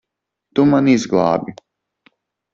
Tu mani izglābi.